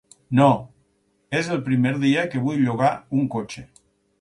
No, és el primer dia que vull llogar un cotxe.